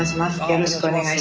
よろしくお願いします。